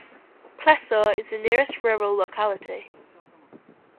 Pleso is the nearest rural locality.